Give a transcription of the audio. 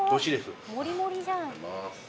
盛り盛りじゃん。